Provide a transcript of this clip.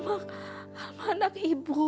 alma anak ibu